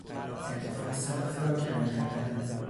ارتفاع سقف را کم کردن